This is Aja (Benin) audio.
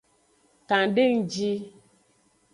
Kan de nji.